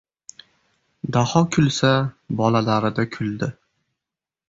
Daho kulsa, bolalarida kuldi.